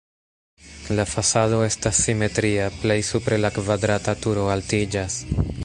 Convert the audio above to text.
La fasado estas simetria, plej supre la kvadrata turo altiĝas.